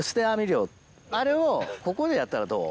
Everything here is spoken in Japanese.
あれをここでやったらどう？